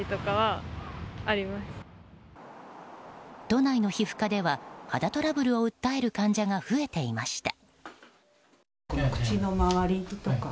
都内の皮膚科では肌トラブルを訴える患者が増えていました。